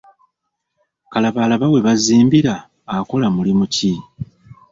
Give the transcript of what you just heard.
Kalabalaba we bazimbira akola mulimu ki?